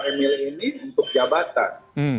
bergabungnya kang emil ini untuk jabatan